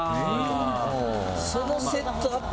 そのセットアップ